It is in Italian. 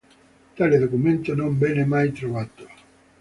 Tale documento non venne mai trovato.